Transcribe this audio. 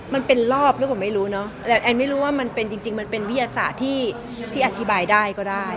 มันเป็นรอบหรือเปล่าไม่รู้เนอะแต่แอนไม่รู้ว่ามันเป็นจริงมันเป็นวิทยาศาสตร์ที่อธิบายได้ก็ได้